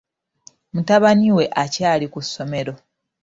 Mutabani we akyali ku ssomero.